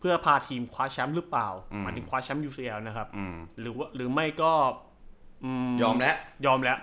เพื่อพาทีมคว้าแชมป์หรือเปล่าอืมหรือไม่ก็อืมยอมแล้วยอมแล้ว